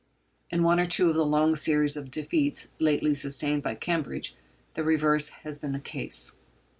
In one or two of the long series of defeats lately sustained by Cambridge the reverse has been the case.